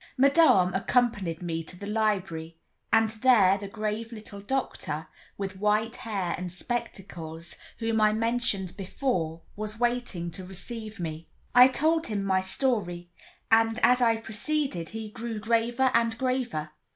Madame accompanied me to the library; and there the grave little doctor, with white hair and spectacles, whom I mentioned before, was waiting to receive me. I told him my story, and as I proceeded he grew graver and graver.